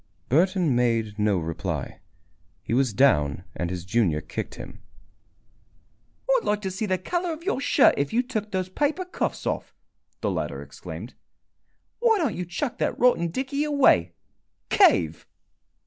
Burton made no reply. He was down and his junior kicked him. "I'd like to see the color of your shirt if you took those paper cuffs off!" the latter exclaimed. "Why don't you chuck that rotten dickey away? Cave!"